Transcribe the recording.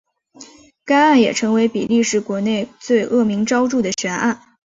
该案也成为比利时国内最恶名昭彰的悬案。